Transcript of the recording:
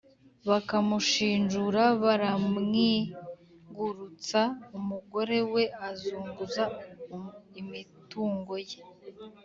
bakamushinjura baramwigurutsa, umugore we azunguza imitungo ye